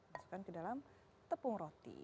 masukkan ke dalam tepung roti